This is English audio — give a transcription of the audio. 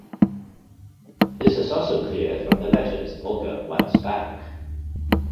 This is also clear from the letters Olga wants back.